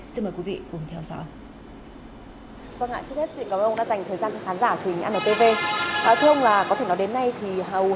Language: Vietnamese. xin mời quý vị cùng theo dõi